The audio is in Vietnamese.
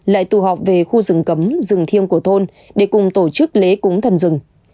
lại tụ họp về khu rừng cấm rừng thiêng của thôn để cùng tổ chức lễ cúng thần rừng